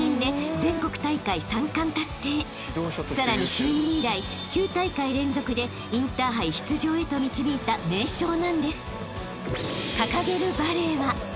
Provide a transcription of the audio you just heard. ［さらに就任以来９大会連続でインターハイ出場へと導いた名将なんです］